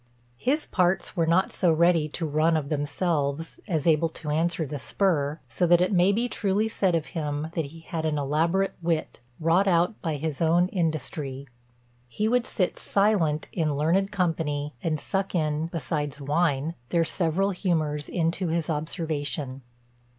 "His parts were not so ready to run of themselves, as able to answer the spur; so that it may be truly said of him, that he had an elaborate wit, wrought out by his own industry. He would sit silent in learned company, and suck in (besides wine) their several humours into his observation.